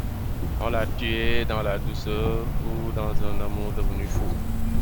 On l’a tué dans la douceur ou dans un amour devenu fou.